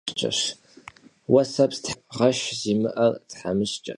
Vueseps theğum zêğeşşri, ğeşş zimı'er themışç'eş.